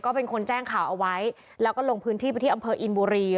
ก็เป็นคนแจ้งข่าวเอาไว้แล้วก็ลงพื้นที่ไปที่อำเภออินบุรี